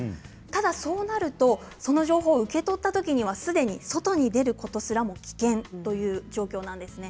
ただ、そうなるとその情報を受け取ったときにはすでに外に出ることすら危険という状況なんです。